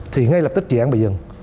thì ngay lập tức dự án bị dừng